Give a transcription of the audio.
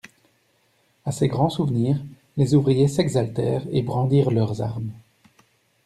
A ces grands souvenirs, les ouvriers s'exaltèrent et brandirent leurs armes.